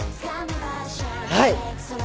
はい！